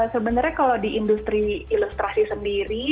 sebenarnya kalau di industri ilustrasi sendiri